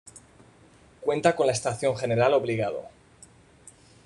Cuenta con la Estación General Obligado.